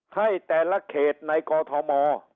ให้แต่ละเขตในกอทม